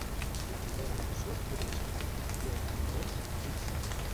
La primera menció es produeix en l'antic poema anglès "Widsith".